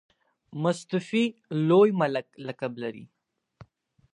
مستوفي لوی ملک لقب لري.